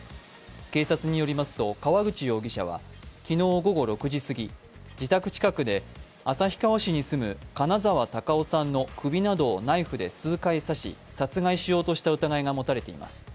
警察によりますと川口容疑者は昨日午後６時過ぎ、自宅近くで旭川市に住む金澤孝雄さんの首などをナイフで数回刺し、殺害しようとした疑いが持たれています。